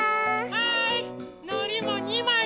はい。